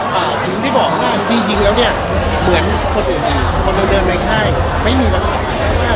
อย่างที่บอกว่าจริงแล้วเนี่ยเหมือนคนเอิงดีคนเดิมเดินในไข้ไม่มีปัญหา